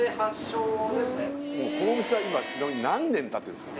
もうこのお店は今ちなみに何年たってるんですか？